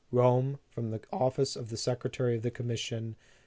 "Rome, from the Office of the Secretary of the Commission.